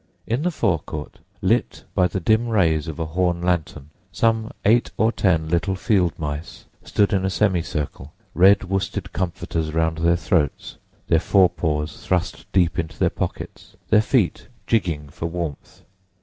In the fore court, lit by the dim rays of a horn lantern, some eight or ten little fieldmice stood in a semicircle, red worsted comforters round their throats, their fore paws thrust deep into their pockets, their feet jigging for warmth.